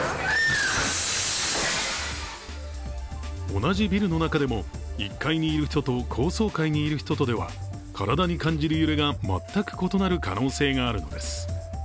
同じビルの中でも１階にいる人と高層階にいる人とでは体に感じる揺れが全く異なる可能性があるのです。